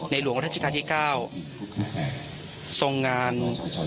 หลวงราชการที่๙ทรงงาน